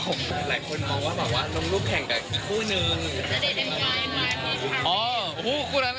หลายคนมองว่าลงรูปแข่งกับคู่หนึ่ง